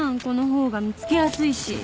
この方が見つけやすいし